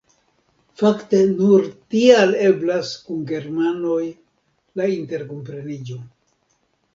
Fakte nur tial eblas kun germanoj la interkompreniĝo.